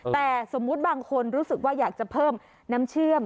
แต่สมมุติบางคนรู้สึกว่าอยากจะเพิ่มน้ำเชื่อม